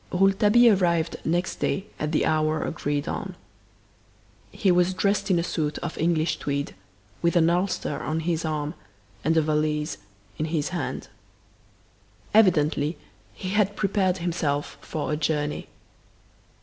Rouletabille arrived next day at the hour agreed on. He was dressed in a suit of English tweed, with an ulster on his arm, and a valise in his hand. Evidently he had prepared himself for a journey.